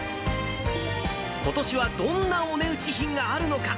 ことしはどんなお値打ち品があるのか。